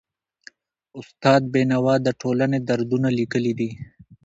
استاد بینوا د ټولني دردونه لیکلي دي.